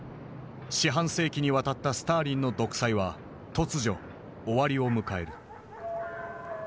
四半世紀にわたったスターリンの独裁は突如終わりを迎える。